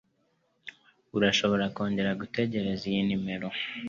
Urashobora kongera kugerageza iyi nimero?